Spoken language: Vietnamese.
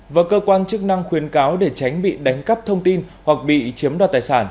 và cơ quan chức năng khuyến cáo để tránh bị đánh cắp thông tin hoặc bị chiếm đoạt tài sản